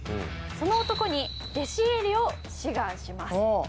その男に弟子入りを志願します。